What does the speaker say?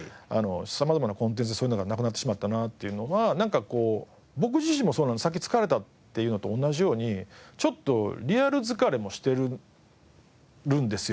様々なコンテンツでそういうのがなくなってしまったなっていうのは僕自身もそうなんですけどさっき疲れたっていうのと同じようにちょっとリアル疲れもしてるんですよ